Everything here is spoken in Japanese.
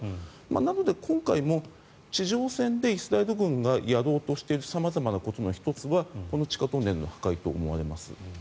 なので、今回も地上戦でイスラエル軍がやろうとしている様々なことの１つはこの地下トンネルの破壊と思われます。